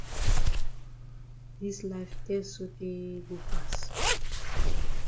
Dis life tess sotay go pass.